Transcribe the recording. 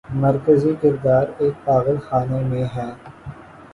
مرکزی کردار ایک پاگل خانے میں ہے۔